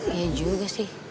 iya juga sih